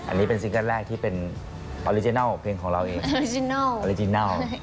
อันนี้เป็นซิงเกิ้ลแรกที่เป็นออริจินัลเพลงของเราเองออริจินัล